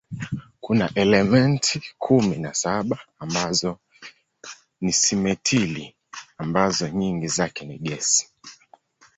Kuna elementi kumi na saba ambazo ni simetili ambazo nyingi zake ni gesi.